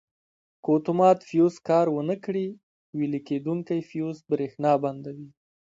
که اتومات فیوز کار ور نه کړي ویلې کېدونکی فیوز برېښنا بندوي.